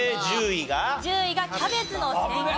１０位がキャベツの千切り。